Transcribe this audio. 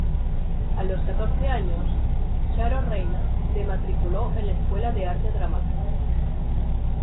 A los catorce años, Charo Reina, se matriculó en la Escuela de Arte Dramático.